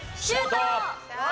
シュート！